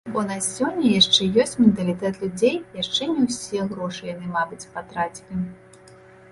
Бо на сёння яшчэ ёсць менталітэт людзей, яшчэ не ўсе грошы яны, мабыць, патрацілі.